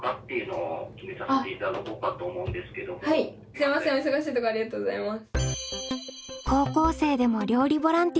すいませんお忙しいところありがとうございます。